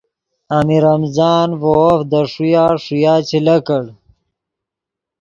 امیر حمزآن ڤے وف دے ݰویہ ݰویا چے لکڑ